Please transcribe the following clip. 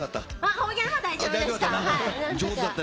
方言は大丈夫でした。